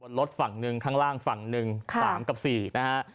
รถฝั่งหนึ่งข้างล่างฝั่งหนึ่ง๓กับ๔นะฮะ